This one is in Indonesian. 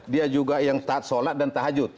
dia juga yang taat sholat dan tahajud